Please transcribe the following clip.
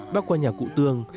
bác qua nhà cụ tương